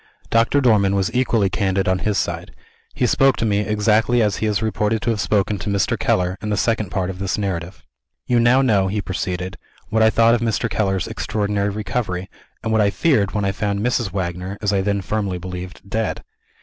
Doctor Dormann was equally candid on his side. He spoke to me, exactly as he is reported to have spoken to Mr. Keller, in the Second Part of this narrative. "You now know," he proceeded, "what I thought of Mr. Keller's extraordinary recovery, and what I feared when I found Mrs. Wagner (as I then firmly believed) dead.